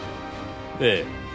ええ。